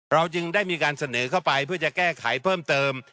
เราจึงได้มีการเสนอเข้าไปเพื่อจะแก้ไขเพิ่มเติม